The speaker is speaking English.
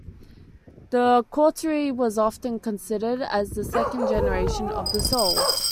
The Coterie was often considered as the second generation of The Souls.